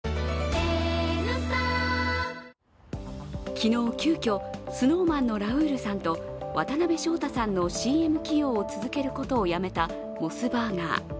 昨日、急きょＳｎｏｗＭａｎのラウールさんと渡辺翔太さんのＣＭ起用を続けることをやめたモスバーガー。